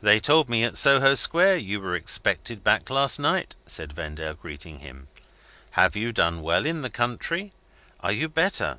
"They told me at Soho Square you were expected back last night," said Vendale, greeting him. "Have you done well in the country? Are you better?"